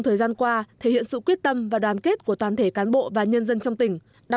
thời gian qua thể hiện sự quyết tâm và đoàn kết của toàn thể cán bộ và nhân dân trong tỉnh